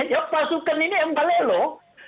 ya pasukan ini yang bale loh